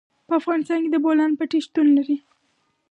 په افغانستان کې د بولان پټي شتون لري.